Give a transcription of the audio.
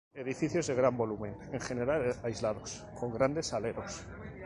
Edificios de gran volumen, en general aislados, con grandes aleros.